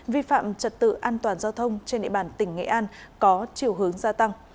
vi phạm trật tự an toàn giao thông trên địa bàn tỉnh nghệ an có chiều hướng gia tăng